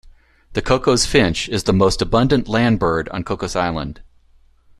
The Cocos finch is the most abundant landbird on Cocos Island.